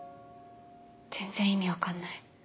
全然意味分かんない。